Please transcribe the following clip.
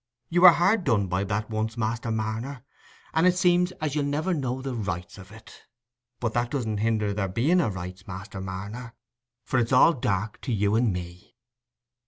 You were hard done by that once, Master Marner, and it seems as you'll never know the rights of it; but that doesn't hinder there being a rights, Master Marner, for all it's dark to you and me."